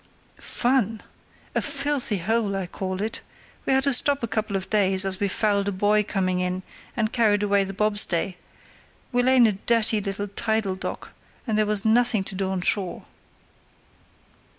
"Fun! A filthy hole I call it; we had to stop a couple of days, as we fouled a buoy coming in and carried away the bobstay; we lay in a dirty little tidal dock, and there was nothing to do on shore."